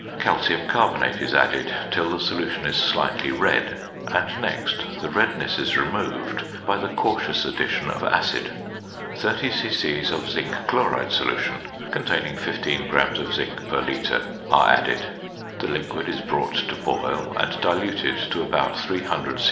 Calcium carbonate is added till the solution is slightly red; and next the redness is removed by the cautious addition of acid; 30 c.c. of zinc chloride solution (containing 15 grams of zinc per litre) are added, the liquid is brought to boil and diluted to about 300 c.c.